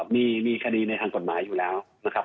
มีคดีในทางกฎหมายอยู่แล้วนะครับ